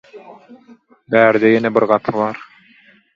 Bärde ýene bir gapy bar